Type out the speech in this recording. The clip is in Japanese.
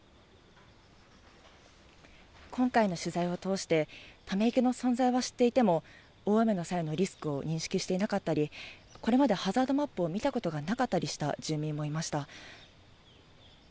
今回の取材を通して、ため池の存在は知っていても、大雨の際のリスクを認識していなかったり、これまでハザードマップを見たことがなかったりした住民もいました。